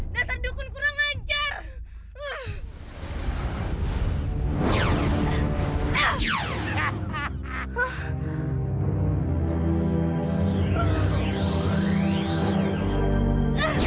dasar dukun kera commenternya